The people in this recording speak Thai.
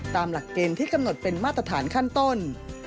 ตามหลักเกณฑ์ที่กำหนดเป็นมาตรฐานขั้นต้น